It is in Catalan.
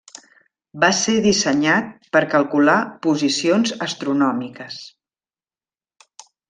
Va ser dissenyat per calcular posicions astronòmiques.